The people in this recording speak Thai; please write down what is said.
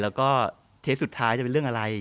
แล้วก็เทสสุดท้ายจะเป็นเรื่องอะไร